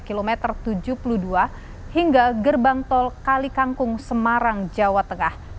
kilometer tujuh puluh dua hingga gerbang tol kali kangkung semarang jawa tengah